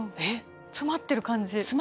詰まってる感じ。